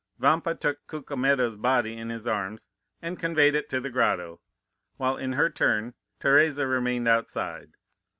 Vampa took Cucumetto's body in his arms and conveyed it to the grotto, while in her turn Teresa remained outside.